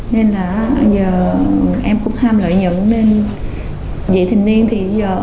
nên là giờ em cũng ham lợi nhận nên dị thình niên thì giờ